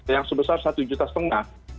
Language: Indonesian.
yang sebesar satu juta setengah